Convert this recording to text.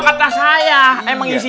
masuk masuk masuk